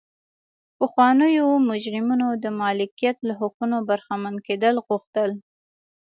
پخوانیو مجرمینو د مالکیت له حقونو برخمن کېدل غوښتل.